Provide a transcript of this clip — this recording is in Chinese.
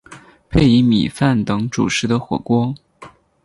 配以米饭等主食的火锅。